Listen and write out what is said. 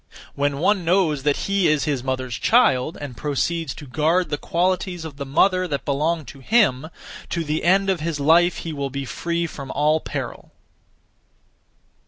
When one knows that he is his mother's child, and proceeds to guard (the qualities of) the mother that belong to him, to the end of his life he will be free from all peril.